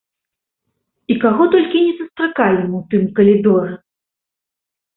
І каго толькі не сустракалі мы ў тым калідоры!